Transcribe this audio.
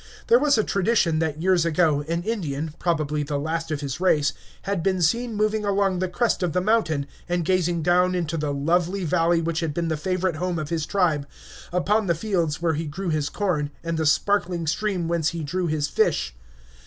There was a tradition that years ago an Indian, probably the last of his race, had been seen moving along the crest of the mountain, and gazing down into the lovely valley which had been the favorite home of his tribe, upon the fields where he grew his corn, and the sparkling stream whence he drew his fish.